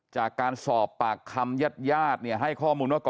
จากการสอบปากคำญาติให้ข้อมูลว่า